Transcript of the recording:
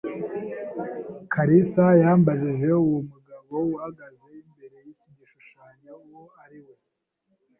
kalisa yambajije uwo mugabo uhagaze imbere y’iki gishushanyo uwo ari we.